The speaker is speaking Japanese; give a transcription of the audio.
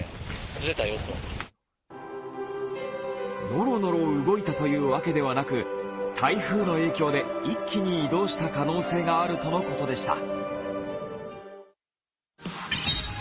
ノロノロ動いたというわけではなく、台風の影響で一気に移動した可能性があるとのことでした。